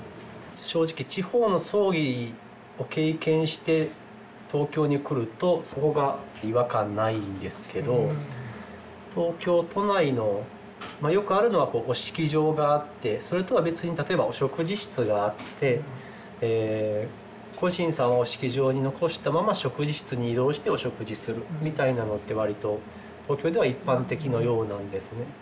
正直地方の葬儀を経験して東京に来ると違和感ないんですけど東京都内のまあよくあるのはご式場があってそれとは別に例えばお食事室があって故人様を式場に残したまま食事室に移動してお食事するみたいなのって割と東京では一般的のようなんですね。